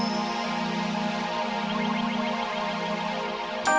sampai jumpa di video selanjutnya